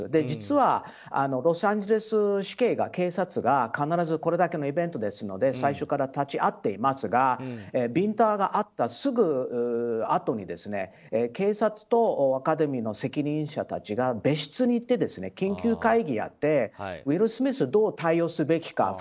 実は、ロサンゼルス警察が必ずこれだけのイベントですので最初から立ち会っていますがビンタがあったすぐあとに警察とアカデミーの責任者たちが別室に行って、緊急会議をやってウィル・スミスどう対応すべきか。